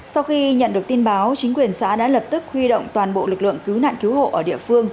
sau khi nhận được tin báo chính quyền xã đã lập tức huy động toàn bộ lực lượng cứu nạn cứu hộ ở địa phương